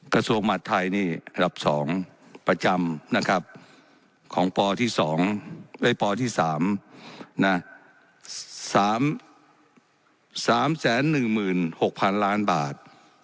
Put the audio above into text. กระทรวงหมัดไทยนี่รับ๒ประจำนะครับของปที่๓นะ๓๑๖๐๐๐ล้านบาท